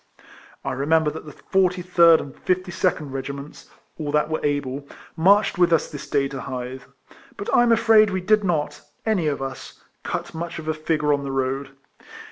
I remember that the 43 rd and 52nd Kegiments (all that were able) marched with us this day to Hythe ; but I'm afraid we did not (any of us) cut much of a figure on the road.